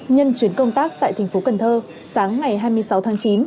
nhân chuyến công tác tại tp cần thơ sáng ngày hai mươi sáu tháng chín